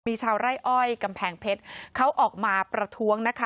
มีชาวไร่อ้อยกำแพงเพชรเขาออกมาประท้วงนะคะ